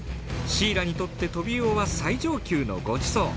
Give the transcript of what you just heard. シイラにとってトビウオは最上級のごちそう。